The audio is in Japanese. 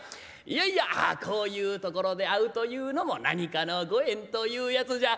いやいやこういうところで会うというのも何かのご縁というやつじゃ」。